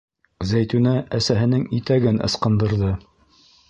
Зәйтүнә әсәһенең итәген ысҡындырҙы.